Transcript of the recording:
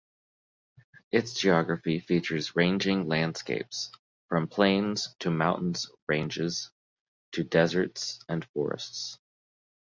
Its geography features ranging landscapes, from plains to mountains ranges to deserts and forests.